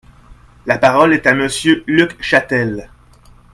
La parole est à Monsieur Luc Chatel.